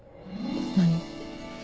何？